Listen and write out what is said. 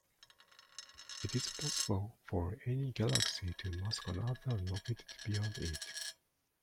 It is possible for any galaxy to mask another located beyond it.